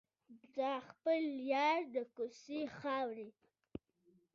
د خپل یار د کوڅې خاورې.